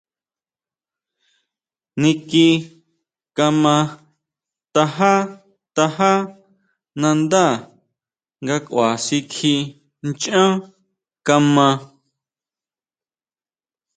Niki kama tajá, tajá nandá nga kʼua si kjí nachan kama.